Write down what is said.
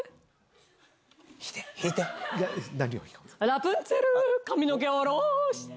ラプンツェル髪の毛を下ろして。